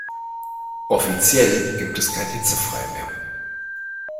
Offiziell gibt es kein Hitzefrei mehr.